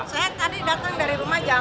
saya tadi datang dari rumah jam